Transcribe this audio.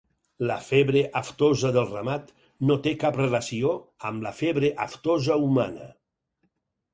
La febre aftosa del ramat no té cap relació amb la febre aftosa humana.